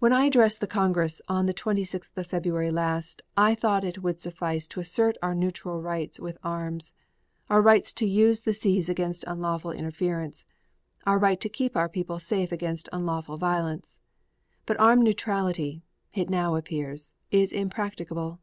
When I addressed the Congress on the twenty sixth of February last I thought that it would suffice to assert our neutral rights with arms, our right to use the seas against unlawful interference, our right to keep our people safe against unlawful violence. But armed neutrality, it now appears, is impracticable.